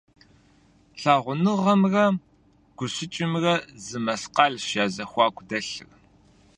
Лъагъуныгъэмрэ гущыкӏымрэ зы мэскъалщ я зэхуаку дэлъыр.